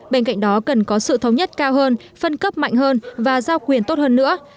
bên cạnh đó cần có sự thống nhất cao hơn phân cấp mạnh hơn và giao quyền tốt hơn nữa